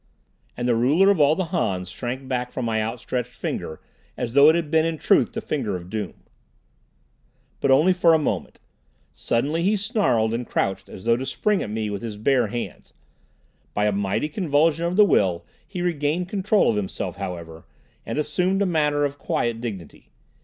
And the ruler of all the Hans shrank back from my outstretched finger as though it had been in truth the finger of doom. But only for a moment. Suddenly he snarled and crouched as though to spring at me with his bare hands. By a mighty convulsion of the will he regained control of himself, however, and assumed a manner of quiet dignity.